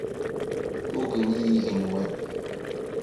Ugin-iyi yigenwan.